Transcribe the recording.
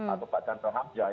atau pak chantal hafjah